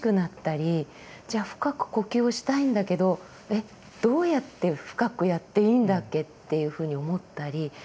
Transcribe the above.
深く呼吸をしたいんだけどどうやって深くやっていいんだっけっていうふうに思ったり。